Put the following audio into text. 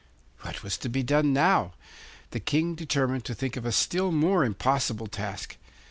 What was to be done now? The King determined to think of a still more impossible task.